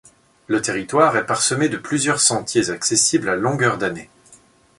Le territoire est parsemé de plusieurs sentiers accessibles à longueur d'année.